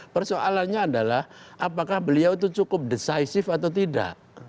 persoalannya adalah apakah beliau itu cukup decisive atau tidak